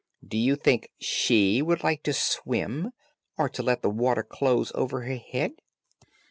Do you think she would like to swim, or to let the water close over her head?"